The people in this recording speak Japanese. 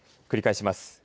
繰り返します。